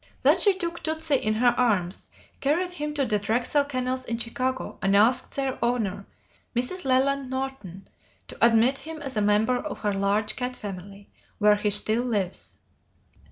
Then she took Tootsie in her arms, carried him to the Drexel kennels in Chicago, and asked their owner, Mrs. Leland Norton, to admit him as a member of her large cat family, where he still lives.